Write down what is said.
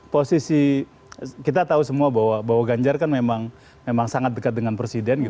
posisi kita tahu semua bahwa ganjar kan memang sangat dekat dengan presiden